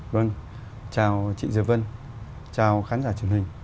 vâng chào chị diệp vân chào khán giả truyền hình